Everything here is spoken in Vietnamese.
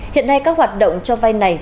hiện nay các hoạt động cho vay này